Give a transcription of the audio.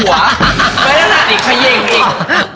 ไม่ได้ละอีกขยิงอีก